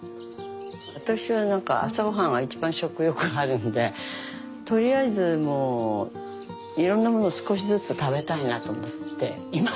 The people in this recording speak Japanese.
私はなんか朝ごはんは一番食欲あるのでとりあえずもういろんなものを少しずつ食べたいなと思っていまして。